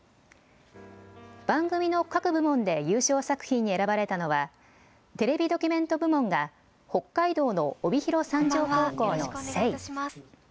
番組の各部門で優勝作品に選ばれたのはテレビドキュメント部門が北海道の帯広三条高校のＳａｙ。